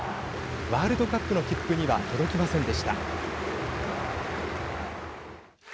ワールドカップの切符には届きませんでした。